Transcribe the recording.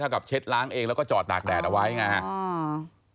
กับเช็ดล้างเองแล้วก็จอดตากแดดเอาไว้ไงครับ